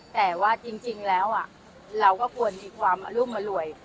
แต่ว่าจริงแล้วเราก็ควรมีความอรุมอร่วย